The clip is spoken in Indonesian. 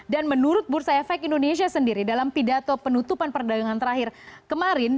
dan menurut bursa efek indonesia sendiri dalam pidato penutupan perdagangan terakhir kemarin